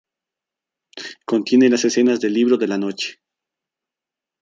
Contiene las escenas del "Libro de la noche".